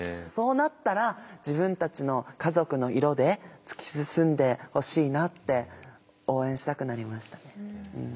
そうなったら自分たちの家族の色で突き進んでほしいなって応援したくなりましたね。